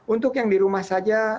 untuk yang di rumah saja